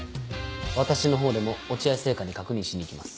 私の方でも落合製菓に確認しに行きます。